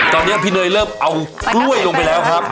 ตอนนี้พี่เนยเริ่มเอากล้วยลงไปแล้วครับ